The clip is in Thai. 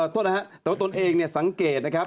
โทษนะฮะแต่ว่าตนเองเนี่ยสังเกตนะครับ